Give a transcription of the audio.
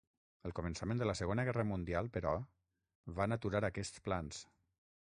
El començament de la Segona Guerra Mundial, però, van aturar aquests plans.